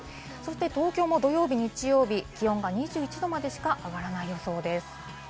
東京も土曜日、日曜日は気温が２１℃までしか上がらない予想です。